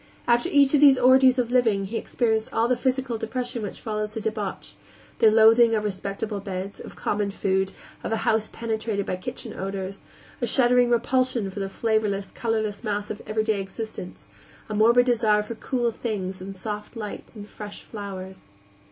After each of these orgies of living he experienced all the physical depression which follows a debauch; the loathing of respectable beds, of common food, of a house penetrated by kitchen odors; a shuddering repulsion for the flavorless, colorless mass of everyday existence; a morbid desire for cool things and soft lights and fresh flowers.